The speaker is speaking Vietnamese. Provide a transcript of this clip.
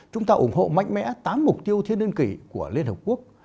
chúng ta ủng hộ mạnh mẽ tám mục tiêu thiên niên kỷ của liên hợp quốc